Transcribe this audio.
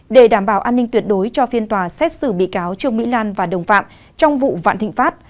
để đảm bảo an ninh tuyệt đối cho phiên tòa xét xử bị cáo trương mỹ lan và đồng phạm trong vụ vạn thịnh pháp